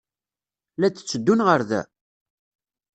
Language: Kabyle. La d-tteddun ɣer da?